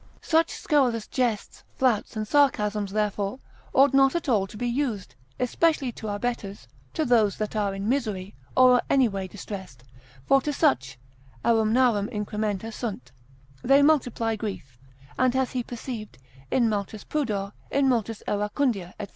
Such scurrilous jests, flouts, and sarcasms, therefore, ought not at all to be used; especially to our betters, to those that are in misery, or any way distressed: for to such, aerumnarum incrementa sunt, they multiply grief, and as he perceived, In multis pudor, in multis iracundia, &c.